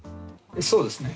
そうですね。